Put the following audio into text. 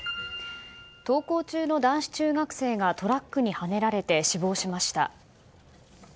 登校中の男子中学生がトラックにはねられて死亡しました。